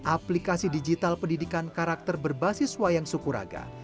aplikasi digital pendidikan karakter berbasis wayang sukuraga